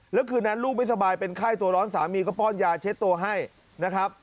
แล้วคืนนั้นลูกไม่สบายเป็นไข้ตัวร้อนสามีก็ป้อนยาเช็ดตัวให้นะครับ